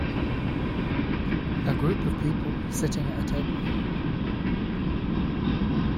A group of people sitting at a table.